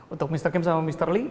untuk mr kim sama mr lee